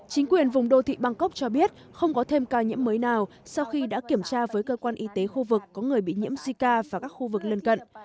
chính quyền vùng đô thị bangkok cho biết không có thêm ca nhiễm mới nào sau khi đã kiểm tra với cơ quan y tế khu vực có người bị nhiễm jica và các khu vực lân cận